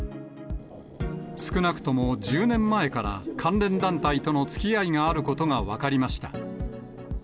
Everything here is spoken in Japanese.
少なくとも１０年前から、関連団体とのつきあいがあることが分かりました。